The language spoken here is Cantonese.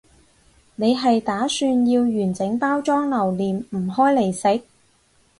你係打算要完整包裝留念唔開嚟食？